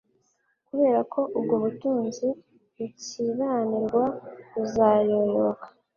Kubera ko ubwo butunzi bukiranirwa buzayoyoka